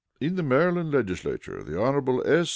In the Maryland Legislature, the Hon. S.